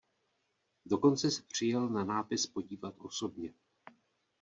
Dokonce se přijel na nápis podívat osobně.